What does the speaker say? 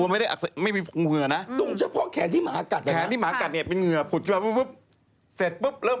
มันก็งับไว้แป๊บ